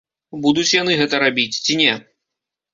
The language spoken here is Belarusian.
Будуць яны гэта рабіць, ці не?